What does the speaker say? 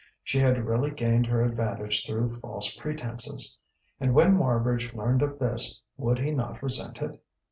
She had really gained her advantage through false pretences. And when Marbridge learned of this, would he not resent it?